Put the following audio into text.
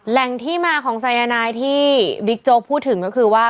แหล่งที่มาของสายนายที่บิ๊กโจ๊กพูดถึงก็คือว่า